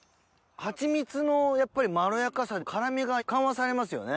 ハチミツのやっぱりまろやかさで辛みが緩和されますよね。